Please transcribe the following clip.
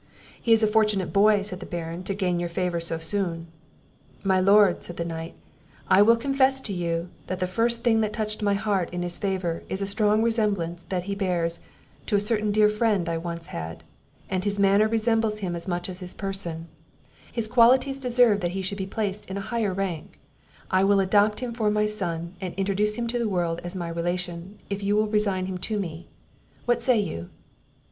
"He is a fortunate boy," said the Baron, "to gain your favour so soon." "My Lord," said the knight, "I will confess to you, that the first thing that touched my heart in his favour, is a strong resemblance he bears to a certain dear friend I once had, and his manner resembles him as much as his person; his qualities deserve that he should be placed in a higher rank; I will adopt him for my son, and introduce him into the world as my relation, if you will resign him to me; What say you?"